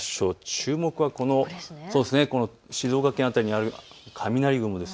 注目はこの静岡県辺りにある雷雲です。